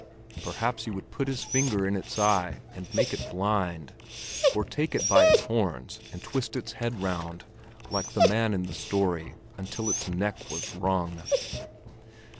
Perhaps he would put his finger in its eye and make it blind, or take it by the horns and twist its head round, like the man in the story, until its neck was wrung.